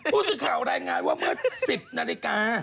ผู้สื่อข่าวรายงานว่าเมื่อ๑๐นาฬิกา